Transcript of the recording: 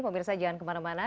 pemirsa jangan kemana mana